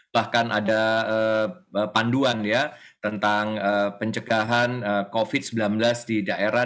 bahkan ada panduan ya tentang pencegahan covid sembilan belas di daerah